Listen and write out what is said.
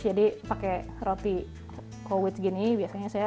jadi pakai roti koweit gini biasanya saya